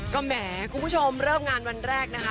ก็แหมคุณผู้ชมเริ่มงานวันแรกนะคะ